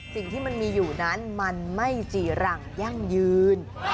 สิ่งที่มันมีอยู่นั้นมันไม่จีรังยั่งยืน